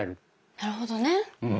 なるほどねうん。